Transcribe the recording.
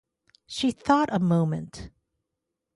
She thought a moment.